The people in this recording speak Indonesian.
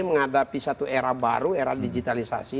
menghadapi satu era baru era digitalisasi